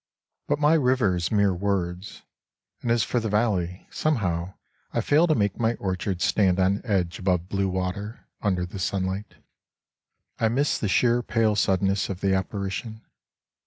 But my river is mere words, and as for the valley Somehow I fail to make my orchards stand on edge above blue water Under the sunlight. I miss the sheer pale suddenness of the apparition.